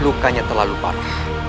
lukanya terlalu parah